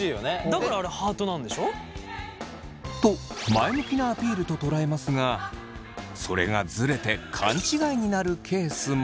だからあれハートなんでしょ？と前向きなアピールと捉えますがそれがズレて勘違いになるケースも。